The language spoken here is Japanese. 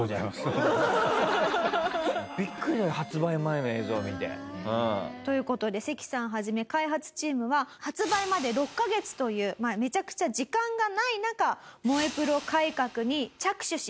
ビックリなの発売前の映像を見て。という事でセキさんを始め開発チームは発売まで６カ月というめちゃくちゃ時間がない中『燃えプロ』改革に着手します。